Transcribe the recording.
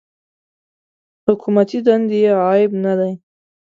حکومتي دندې عیب نه دی.